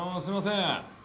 すいません。